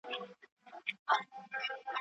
هغه څېړونکی چي ارام ذهن لري ښه کار کولای سي.